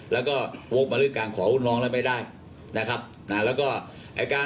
แล้วก็วกมาด้วยการขอรุ่นน้องแล้วไม่ได้นะครับนะแล้วก็ไอ้การ